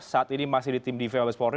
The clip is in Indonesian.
saat ini masih di tim dvm abes polri